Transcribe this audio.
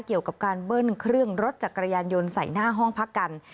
เกี่ยวกับการเบิ้ลเครื่องรถจักรยานยนต์ใส่หน้าห้องพักกัน